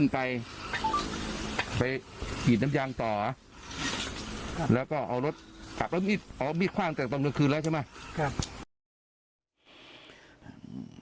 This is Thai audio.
ไปอีดน้ำยางต่อแล้วก็เอารถขว้างจากตอนเมื่อคืนแล้วใช่ไหม